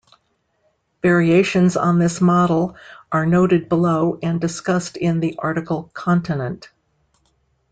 Variations on this model are noted below and discussed in the article Continent.